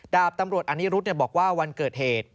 ดาบตำรวจอนิรุธบอกว่าวันเกิดเหตุ